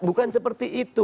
bukan seperti itu